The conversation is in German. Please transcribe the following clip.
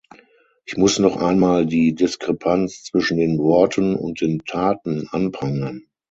Ich muss noch einmal die Diskrepanz zwischen den Worten und den Taten anprangern.